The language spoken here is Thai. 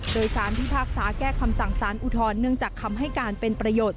โดยสารพิพากษาแก้คำสั่งสารอุทธรณ์เนื่องจากคำให้การเป็นประโยชน์